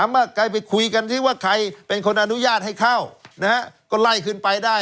ไม่ต้องกระทืบซ้ำ